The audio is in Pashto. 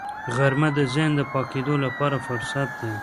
غرمه د ذهن د پاکېدو لپاره فرصت دی